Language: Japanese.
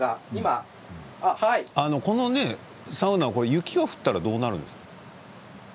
このサウナは雪が降ったらどうなるの？